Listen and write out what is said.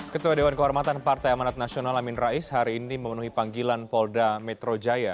ketua dewan kehormatan partai amanat nasional amin rais hari ini memenuhi panggilan polda metro jaya